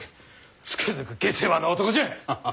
つくづく下世話な男じゃ！